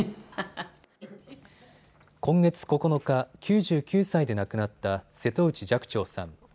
今月９日、９９歳で亡くなった瀬戸内寂聴さん。